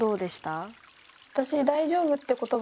私「大丈夫」って言葉